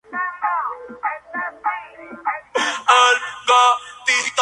Elementos como aluminio, calcio y sodio son igualmente deficitarios.